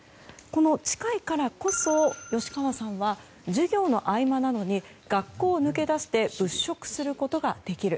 近いからこそ吉川さんは、授業の合間などに学校を抜け出して物色することができる。